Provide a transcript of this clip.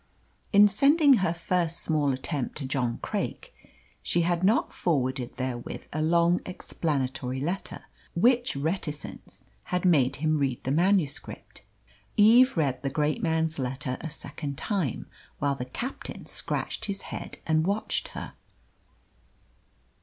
In sending her first small attempt to John Craik she had not forwarded therewith a long explanatory letter, which reticence had made him read the manuscript. Eve read the great man's letter a second time, while the captain scratched his head and watched her.